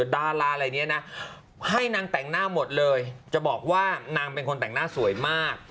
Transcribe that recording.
ดาราอะไรเนี่ยนะให้นางแต่งหน้าหมดเลยจะบอกว่านางเป็นคนแต่งหน้าสวยมาก